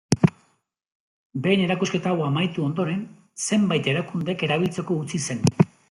Behin erakusketa hau amaitu ondoren zenbait erakundek erabiltzeko utzi zen.